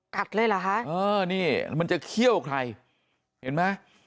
กัดเลยเหรอคะเออนี่มันจะเขี้ยวใครเห็นไหม